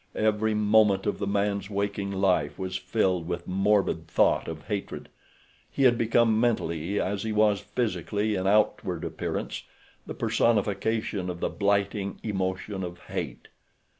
Every moment of the man's waking life was filled with morbid thought of hatred—he had become mentally as he was physically in outward appearance, the personification of the blighting emotion of Hate.